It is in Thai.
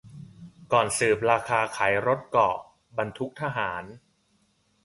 ก่อนสืบราคาขายรถเกราะ-บรรทุกทหาร